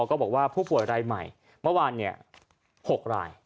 ก็บอกว่าผู้ป่วยรายใหม่เมื่อวาน๖ราย